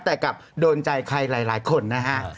แต่กลับโดนใจใครหลายคนนะฮะ